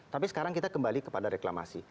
tapi sekarang kita kembali kepada reklamasi